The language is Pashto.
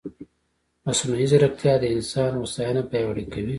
مصنوعي ځیرکتیا د انسان هوساینه پیاوړې کوي.